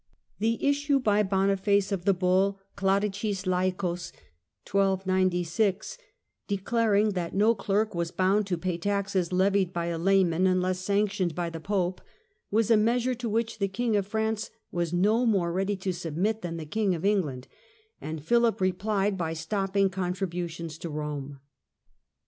The Bull issue by Boniface of the Bull Clericis Laicos, declaring Laicos, that no clerk was bound to pay taxes levied by a lay man unless sanctioned by the Pope, was a measure to which the King of France was no more ready to submit than the King of England, and Philip replied by stopping contributions to Rome.